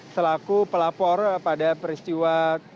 selaku pelapor pada peristiwa dua puluh tujuh september